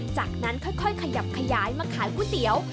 จากนั้นค่อยขยับขยายมาขายก๋วยเตี๋ยว